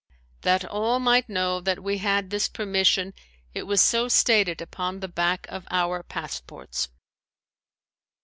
That all might know that we had this permission it was so stated upon the back of our passports.